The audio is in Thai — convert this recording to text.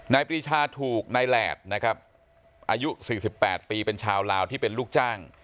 ปรีชาถูกนายแหลดนะครับอายุ๔๘ปีเป็นชาวลาวที่เป็นลูกจ้าง